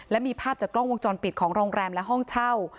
และมีภาพจากกล้องวงจรปิดของโรงแรมและห้องเช่า